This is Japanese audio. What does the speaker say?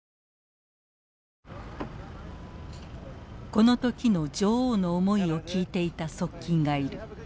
この時の女王の思いを聞いていた側近がいる。